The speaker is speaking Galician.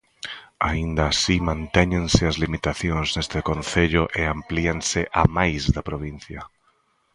Aínda así mantéñense as limitacións neste concello e amplíanse a máis da provincia.